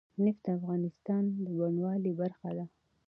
نفت د افغانستان د بڼوالۍ برخه ده.